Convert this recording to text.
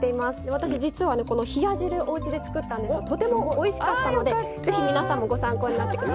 私実はねこの冷や汁おうちで作ったんですがとてもおいしかったのでぜひ皆さんもご参考になさって下さい。